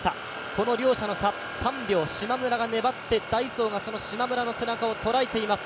この両者の差、３秒、しまむらが粘ってダイソーがしまむらの背中を捉えています。